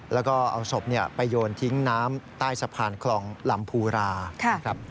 แล้วก็เอาศพไปโยนทิ้งน้ำใต้สะพานคลองลำภูรานะครับ